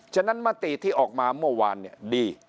ฉะนั้นมติที่ออกมาเมื่อวานเนี่ยดี